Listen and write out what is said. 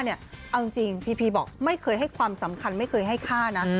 เอาจริงพีพีบอกไม่เคยให้ความสำคัญไม่เคยให้ฆ่านะ